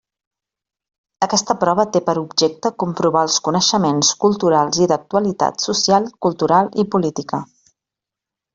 Aquesta prova té per objecte comprovar els coneixements culturals i d'actualitat social, cultural i política.